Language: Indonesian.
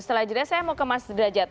setelah jeda saya mau ke mas derajat